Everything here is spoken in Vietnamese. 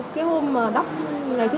cái hôm mà đắp ngày thứ năm